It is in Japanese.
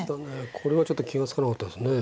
これはちょっと気が付かなかったですね。